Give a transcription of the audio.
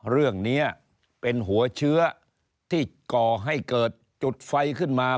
เรื่องนี้เป็นหัวเชื้อที่ก่อให้เกิดจุดไฟขึ้นมา